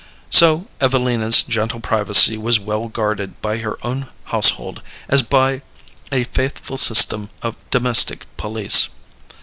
So Evelina's gentle privacy was well guarded by her own household, as by a faithful system of domestic police.